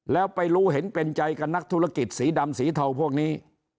แล้วไปรู้เห็นเป็นใจกับนักธุรกิจสีดำสีเทาพวกนี้